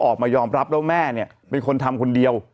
ออกมายอมรับแล้วแม่เนี่ยเป็นคนทำคนเดียว